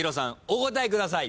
お答えください。